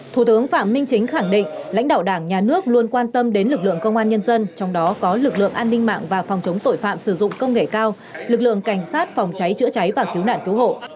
thủ tướng phạm minh chính khẳng định lãnh đạo đảng nhà nước luôn quan tâm đến lực lượng công an nhân dân trong đó có lực lượng an ninh mạng và phòng chống tội phạm sử dụng công nghệ cao lực lượng cảnh sát phòng cháy chữa cháy và cứu nạn cứu hộ